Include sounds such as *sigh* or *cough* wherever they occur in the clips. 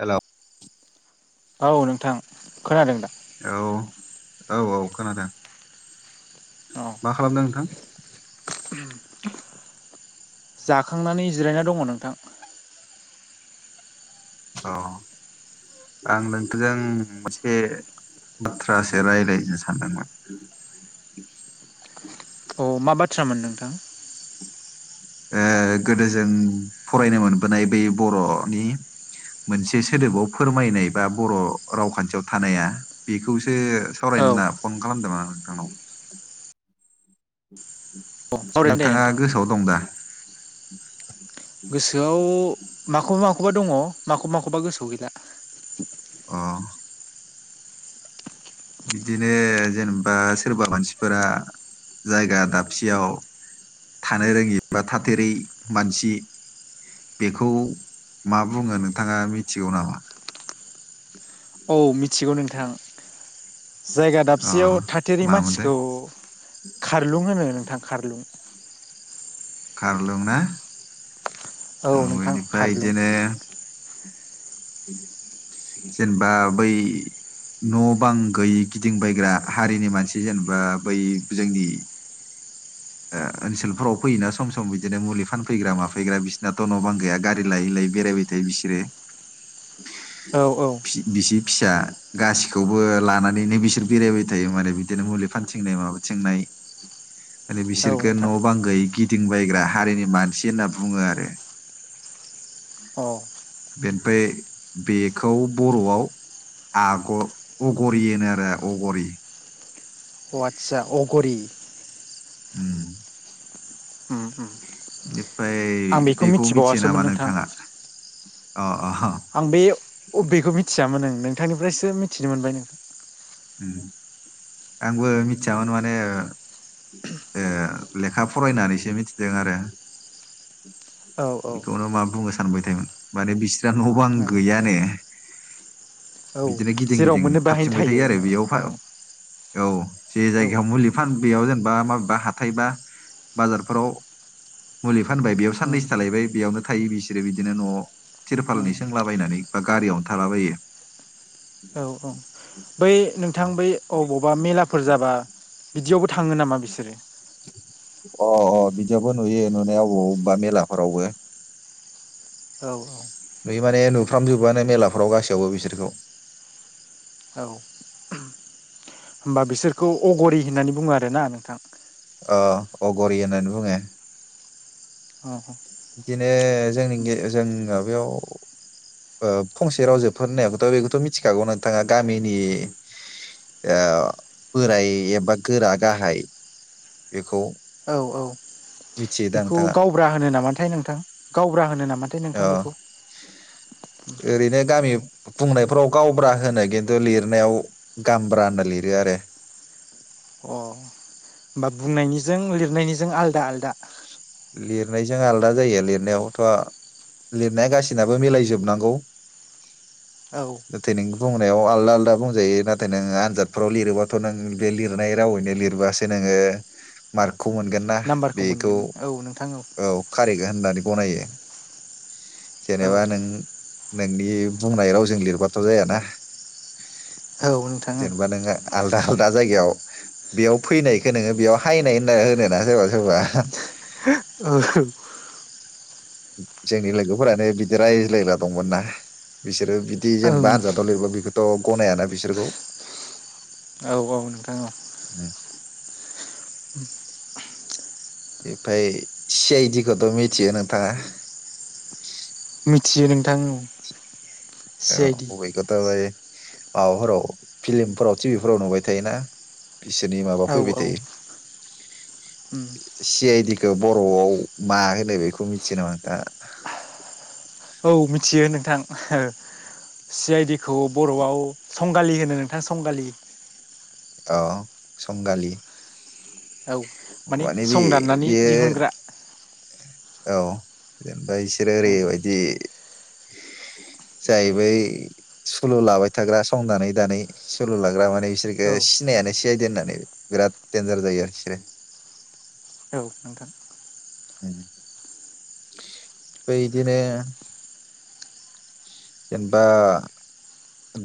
हेल'! औ नोंथां खोनादों दा? औ औ औ खोनादों। औ मा खालामदों नोंथां? *inaudible* जाखांनानै जिरायना दङ नोंथां। अ आं नोंथ'जों मोनसे बाथ्रासो राय्लायनो सानदोंमोन, *inaudible* अ मा बाथ्रामोन नोंथां? *inaudible* ओ गोदो जों फरायनो मोनबोनाय बै बर'नि मोनसे सोदोबाव फोरमायनाय बा बर' रावखान्थियाव थानाया बेखौ सो औ सावरायनो होनना फन खालामदोंमोन आं नोंथांनाव। औ *inaudible* सावरायगोन दे नोंथाङा नोंथां गोसोआव दं दा? *inaudible* गोसोआव माखौबा माखौबा दङ माखौबा माखौबा गोसोआव गैला। अ बिदिनो जेनेबा सोरबा मानसिफोरा जायगा दाबसेयाव थानो रोङि बा थाथेरै मानसि बेखौ मा बुङो नोंथाङा मिथिगौ नामा? औ मिथिगौ नोंथां। जायगा अ दाबसेयाव थाथेरि मामोनथाय मानसिखौ खारलुं होनो नोंथां खारलुं। *inaudible* खारलुं ना? औ नोंथां बेनिफ्राय खारलुं। बिदिनो जेनेबा बै न'-बां गैयि गिदिंबायग्रा हारिनि मानसि जेनेबा बै जोंनि ओनसोलफ्राव फैयोना सम सम बिदिनो मुलि फानफैग्रा माफैग्रा बिसिनाथ' न'-बां गैया गारि लायै लायै बेरायबाय थायो बिसोरो। औ औ बिसि फिसा गासिखौबो लानानैनो बिसोर बेरायबाय थायो माने, बिदिनो मुलि फानथिंनाय माबाथिंनाय थिंनाय माने औ बिसोरखौ न' नोंथां बां गैैयै गिदिंबायग्रा हारिनि मानसि होनना बुङो आरो। अ अ बेनिफ्राय बेखौ बर'आव आग अगरियनो आरो अगरि। अ आचसा अगरि *inaudible* उम उम उम बेनिफ्राय आं बेखौ मिथियो मिथिबावासोमोन नामा नोंथां नोंथाङा अ अ आं बे अबेखौ मिथियामोन न नोंथांनिफ्रायसो मिथिनो मोनबाय नोंथां आंबो मिचामोन माने ओ ए लेखा फरायनानैसो मिथिदों आरो औ औ *inaudible* बेखौनो मा बुंनो स सानबाय थोन माने बिस्रा न' ब आं औ गैयानो औ *inaudible* बिदिनो गिदिं जेराव गिदिं मोननो बाहायनो थाबथिंबायाय थायो नामा बे औ औ जे औ जायगायाव मुलि फानो ज बा माबेबा हाथाय बा बाजारफोराव मुलि फानबाय बेयाव उम साननैसो थालायबाय बेयावनो थायो बिसोरो बिदिनो न'आव उम थिरपालनि सोंलाबायनानै बा गारियावनो थालाबायो। औ औ बै नोंथां बै अबावबा मेलाफोर जाबा बिदियावबो थाङो नामा बिसोरो अ अ बिदिययबबो नुयो नुनायाव अबावबबा मेलाफोरावबो औ औ सानफ्रामजोबानो मेलाफ्राव गासैयावबो बिसोरखौ औ होनोमबा बिसोरखौ अगरि होननानै बुङो आरोना नोंथां। अ अगरि होननानै बुङो। औ बिदिनो जोंनि जों माबायाव फंसे रावजोबफोर होननायखौथ' बेखौथ' मिथिखागौ नोंथाङा गामिनि ओ बोराय एबा गोरा गाहाय बेखौ औ औ मि बेखौ गावब्रा होनो नामाथाय नोंथां गावब्रा होनो नामाथाय अ नोंथां बेखौ ओरैनो गामि बुंनायफ्राव गावब्रा होनो खिन्थु लिरनायाव गामब्रा होनना लिरो आरो। अ होमबा बुंनायनिजों लिरनायनिजों आलदा आलदा लिरनायजों आलादा जायो लिरनायावथ' लिरनाया गासिनाबो मिलायजोबनांगौ औ नाथाय नों बुंनायाव आलदा आलदा बुंजायो नाथाय नोङो आनजादफ्राव लिरोबाथ' नों बे लिरनाय रावैनो लिरबोसो नोङो ओ मारकखौ मोनगोन ना नाम्बारखौ बेखौ मोनगोन औ नोंथां औ कार होन होननानै गनायो औ औ जेनेबा नों नोंनि बुंनाय रावजों लिरबाथ' जायाना औ नोंथां जेनेबा नोङो आल आलदा जायगायाव बेयाव फैनायखौ नोङो बेयाव हायनाय होनना होनो ना जबा होबा औ जोंनि लोगोफोरानो बिदि रायज्लायग्रा दंमोन ना बिसोरो। बिदि ओं जेनेबा आनजादाव लिरब बेखौथ' गनायाना बिसोरखौ औ औ नोंथां औ ओम, उ बेफाय सि आइ डिखौथ' मिथियो नोंथाङा मिथियो नोंथां औ सि आइ डि बेखौथ ' माबाफोराव फिल्मफोराव टिभिफोराव नुबाय थायोना बिसोरनि माबा औ फैबाय औ थायो उम सि आइ डि बर'आव मा होनो बेखौ मिथि नामा आं दा औ मिथियो नोंथां सि आइ डि खौ बर'आव सं संगालि होनो नोंथां संगालि अ संगालि औ माने बे सं दाननानै बेयो दिहुनग्रा। औ जेनबा बिसोरो ओरैबायदि जाहैबाय सुलु लाबाय थाग्रा संनानै दानै सुलु लाग्रा मा ने बिसोरखौ ओ औ सिनायानो सि आइ डि होननानै बिराद देनजार जायो आरो बिसोरो। औ नोंथां। उम आमफ्राय इदिनो जेनेबा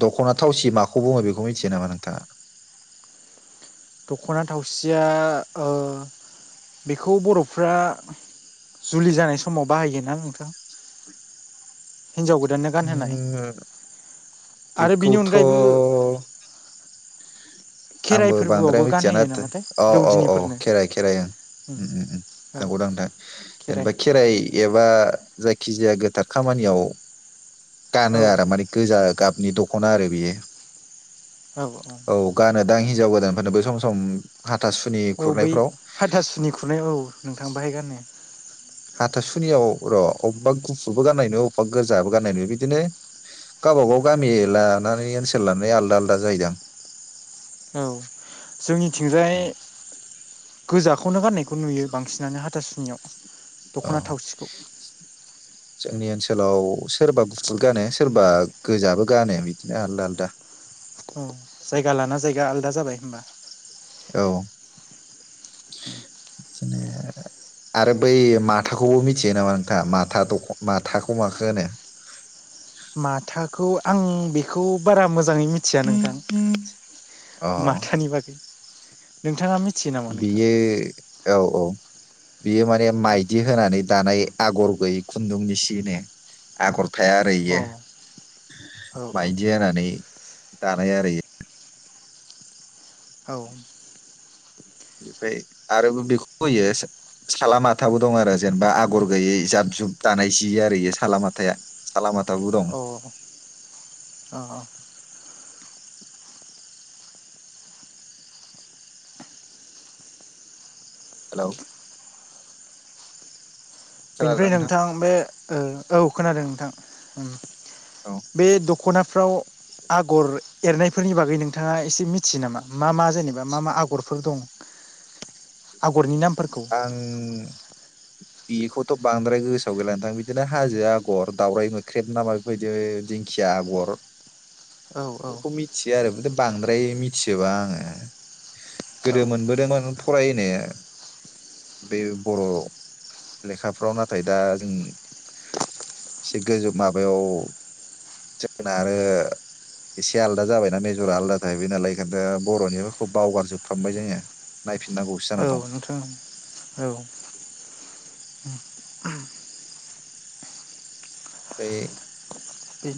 दख'ना थावसि माखौ बुङो बेखौ मिथियो नामा नोंथाङा? *inaudible* दख'ना थावसिया ओ बेखौ बर'फ्रा जुलि जानाय समाव बाहायोना नोंथां? *inaudible* हिनजाव गोदाननो गानहोनाय उम आरो बिनि बेखौथ' अनगायैबो खेराइ आंबो बांद्राय फोरबोआवबो मिथियाना गानहोयो थो नामाथाय औ औ औ दौदिनिफोरनो खेराइ खेराइ ओ। उम उम उम औ नंगौदां नोंथां। खेराइ जेनेबा खेरायाव बा जायखि जाया गोथार खामानियाव गानो औ आरो माने गोजा गाबनि दख'ना आरो बेयो औ औ। दा हिनजाव गोदानफोरनोबो सम सम हाथासुनि औ बै खुरनायफ्राव हाथासुनि खुरनाय औ नोंथां बाहाय गानो हाथासुनियाव र'अब्बा गुफुरबो गाननाय नुयो अब्बा गोजाबो गाननाय नुयो बिदिनो गावबा गाव गामि लानानै ओनसोल लानानै आलदा आलदा जायोदां । औ जोंनिथिंजाय गोजाखौनो गाननाय खौ नुयो बांसिनानो हाथासुनियाव औ दख'ना थावसिखौ जोंनि ओनसोलाव सोरबा गुफुर गानो सोरबा गोजाबो गानो बिदिनो आलदा आलदा। औ जायगा लाना जायगा आलादा जाबाय होमबा। औ। उम। *unintelligible* आरो बै माथाखौबो मिथियो नामा नोंथाङा माथा दख माथाखौ माखो होनो? *inaudible* माथाखौ आं बेखौ बारा मोजाङै मिथिया नोंथां। अ माथानि बागै नोंथाङा मिथियो नामा नोंथां बियो औ औ बियो माने माइदि होनानै दानाय आगर गैयि खुन्दुंनि सिनो आगर थाया आरो अ इयो औ माइदि होनानै दानाय आरो औ। एफाय आरोबो बेखौ होयो साला माथाबो दं आरो जेनेबा आगर गैयै जाब जुब दानाय जि आरो इयो सालामाथाया सालामाथाबो दं। औ अ अ। हेलौ । बेनिफ्राय नोंथां बे ओ औ खोनादों नोंथां उम। नोंथां औ बे दख'नाफ्राव आगर एरनायफोरनि बागै नोंथाङा एसे मिथियो नामा मा मा जेनेबा मा मा आगरफोर दं? आगरनि नाम आं बेखौथ' बांद्राय गोसोआव गैला नोंथां बिदिनो हाजो आगर दावराय मोख्रेब ना मा बेबायदि दिंखिया आगर औ औ बेफोरखौ मिथियो आरो *unintelligible* बांद्राय मिथिजोबा आङो। औ गोदो मोनबोदोंमोन फरायनो बे बर' लेखाफ्राव नाथाय दा जों एसे गोजौ माबायाव जोंना आरो एसे आलदा जाबायना मेजरा आलादा थाहैबाय नालाय ओंखायनथ' बर'निखौबो बावगारजोबफ्रामबाय जोङो नाय फिननांगौ सो जाना औ दं। नोंथां औ ओ। फ्राय बे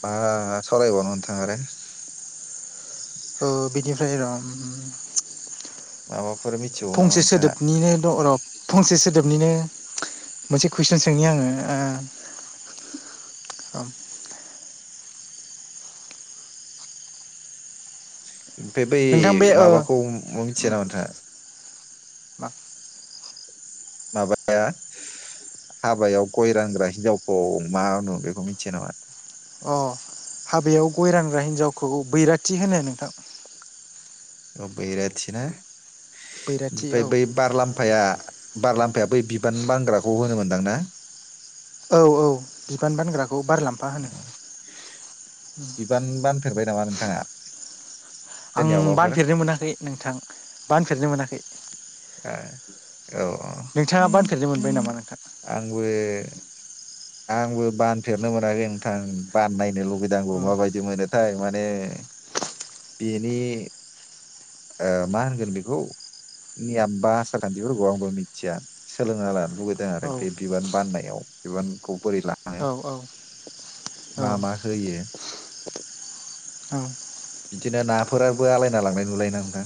बा सावरायबावनो नोंथाङा आरो? उम। माबा फंसे सोदोबनिनो दं र' फंसे सोदोब निनो मोनसे कुइसन सोंनि आङो ओ ओम ओमफ्राय बै नोंथां बे ओ माबाखौ मिथिया ना नोंथाङा? माबाया हाबायाव गय रानग्रा हिनजावखौ मा होनो बेखौ मिथिया नामा? अ हाबायाव गय रानग्रा हिन्जावखौ बैराथि होनो नोंथां। औ बैराथि ना बैराथि औ ओमफ्राय बै बारलामफाया बारलामफाया बै बिबान बानग्राखौ होनो मोनदां ना? औ औ बिबान बानग्राखौ बारलाम्फा होनो। बिबान *unintelligible* आं सोरनियावबाफोर बानफेरनो मोनाखै नोंथां बानफेरनो मोनाखै। औ औ *unintelligible* मोनबाय नामा नो आंबो आंबो बानफेरनो मोनाखै नोंथां बान नायनो लु बैदों खंबों औ माबायदि मोनोथाय माने बेनि ओ मा होनगोन बेखौ नि आबबा आसार खान्थिफोरखौ आंबो मिथिया सोलोंना लानो लुगै दो आरो औ बे बिबान बाननायाव बिबानखौ बोरै लाङो औ औ औ मा मा होयो औ बिदिनो नाफोराबो आलायना लांनाय नुलायो ना नोंथां?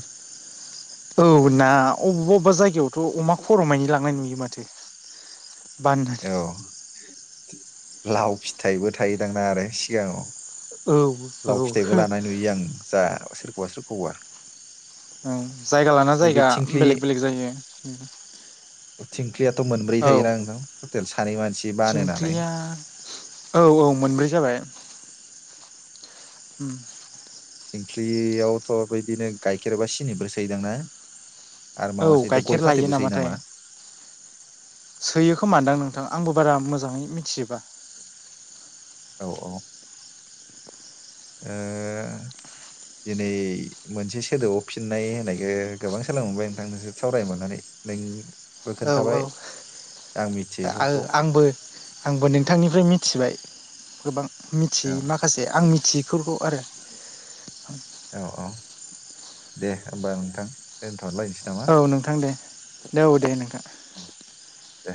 औ ना अबेबा अबेबा जायगायावथ' अमा खर'मानि लांनाय नुयो माथो। बान्धन औ लाव फिथाइबो थायोदां ना आरो सिगाङाव? औ औ लाव फिथाइबो लानाय नुयो आं जा सोरखौबा सोरखौबा। औ जायगा लाना बे बे जायगा थिंख्लि बेलेग बेलेग जायो। फख्रियाथ' मोनब्रै औ थायोना नोंथां टटेल सानै मानसि बानो नालाय थिंख्लिया औ औ मोनब्रै जाबाय उ थिंख्लि यावथ' बिदिनो गाइखेर बा सिनिबो सोयो दां ना? आरो मा औ मा सोयो गाइखेर गय लायो फाथैबो सोयो नामाथाय नामा? सोयो खोमानदां नोंथां आंबो बारा मोजाङै मिथिजोबा। औ औ ओ दिनै मोनसे सोदोबाव फिननाय होननायखो गोबां सोलोंबाय नोंथांजोंसो सावरायनो मोननानै नों बो औ खोन्थाबाय औ मिथियैफोरखौ आंबो आंबो नोंथांनिफ्राय मिथिबाय। गोबां मिथियै औ माखासे आं मिथियैफोरखौ आरो औ औ दे होमबा नोंथां दोन औ नोंथां दे दे औ दे नोंथां दे